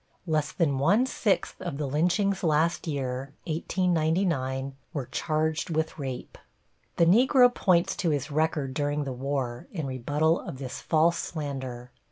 Less than one sixth of the lynchings last year, 1899, were charged with rape. The Negro points to his record during the war in rebuttal of this false slander.